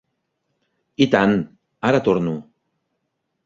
I tant, ara torno.